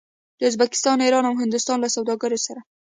د ازبکستان، ایران او هندوستان له سوداګرو سره